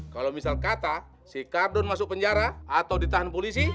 kalau misal kata si kardun masuk penjara atau ditahan polisi